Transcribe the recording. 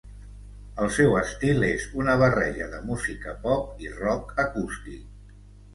El seu estil és una barreja de música pop i rock acústic.